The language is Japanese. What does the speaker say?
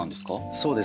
そうです。